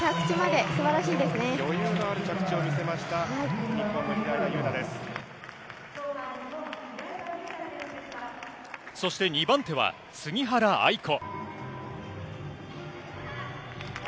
余裕のある着地を見せました、そして２番手は杉原愛子。